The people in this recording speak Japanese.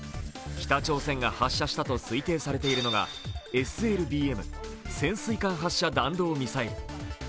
北朝鮮が発射したと推定されているのがＳＬＢＭ＝潜水艦発射弾道ミサイル。